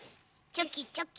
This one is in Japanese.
チョキチョキ。